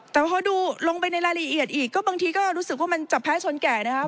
แต่พอดูลงไปในรายละเอียดอีกก็บางทีก็รู้สึกว่ามันจับแพ้ชนแก่นะครับ